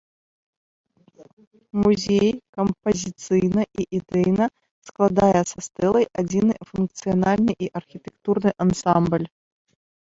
Музей кампазіцыйна і ідэйна складае са стэлай адзіны функцыянальны і архітэктурны ансамбль.